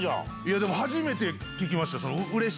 でも初めて聞きました。